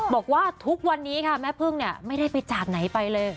บอกว่าทุกวันนี้ค่ะแม่พึ่งเนี่ยไม่ได้ไปจากไหนไปเลย